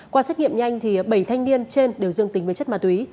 qua xét nghiệm nhanh bảy thanh niên trên đều dương tính với chất ma túy